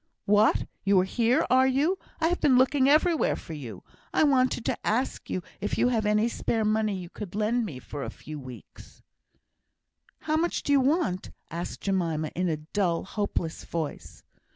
"What, you are here, are you? I have been looking everywhere for you. I wanted to ask you if you have any spare money you could lend me for a few weeks?" "How much do you want?" asked Jemima, in a dull, hopeless voice.